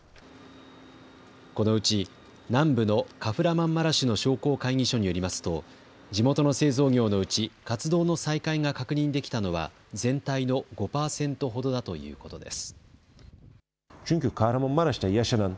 このうち南部のカフラマンマラシュの商工会議所によりますと地元の製造業のうち活動の再開が確認できたのは全体の５％ほどだということです。